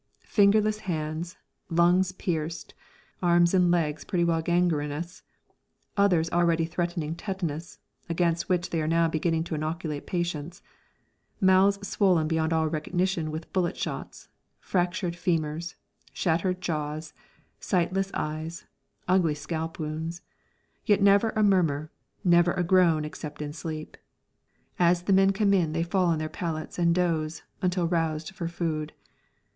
Fingerless hands, lungs pierced, arms and legs pretty well gangrenous, others already threatening tetanus (against which they are now beginning to inoculate patients), mouths swollen beyond all recognition with bullet shots, fractured femurs, shattered jaws, sightless eyes, ugly scalp wounds; yet never a murmur, never a groan except in sleep. As the men come in they fall on their pallets and doze until roused for food.